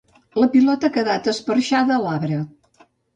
La pilota ha quedat esperxada a l'arbre